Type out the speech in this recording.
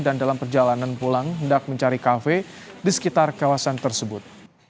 dan dalam perjalanan pulang hendak mencari kafe di sekitar kawasan tersebut